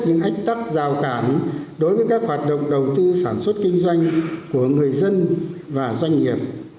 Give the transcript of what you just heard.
những ách tắc giao cản đối với các hoạt động đầu tư sản xuất kinh doanh của người dân và doanh nghiệp